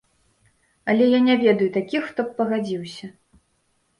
Але я не ведаю такіх, хто б пагадзіўся.